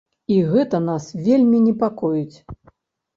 І гэта нас вельмі непакоіць.